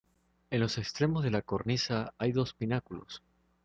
En los extremos de la cornisa hay dos pináculos.